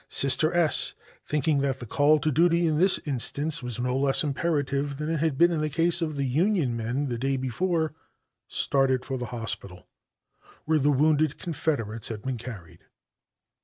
Sister S , thinking that the call to duty in this instance was no less imperative than it had been in the case of the Union men the day before, started for the hospital, where the wounded Confederates had been carried.